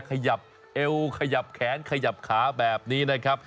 ขยับเอวขยับแขนขยับขาแบบนี้นะครับ